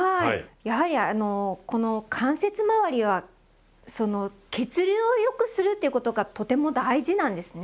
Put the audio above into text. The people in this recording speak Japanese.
やはりあのこの関節周りはその血流をよくするっていうことがとても大事なんですね。